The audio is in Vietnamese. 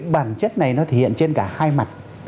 bản chất này hiện trên cả hai mặt